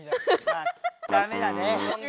ダメだね。